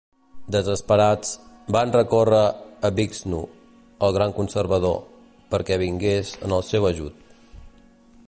Desesperats, van recórrer a Vixnu, el gran conservador, perquè vingués en el seu ajut.